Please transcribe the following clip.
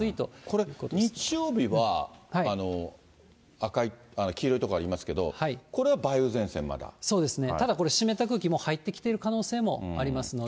これ、日曜日は赤い、黄色い所ありますけれども、そうですね、ただこれ、湿った空気入ってきている可能性ありますので。